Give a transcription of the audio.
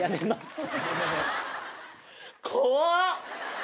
怖っ！